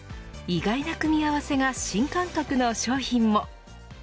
意外な組み合わせが新感覚の商品も。